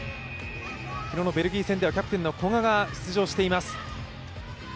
昨日のベルギー戦ではキャプテンの古賀が出場しています。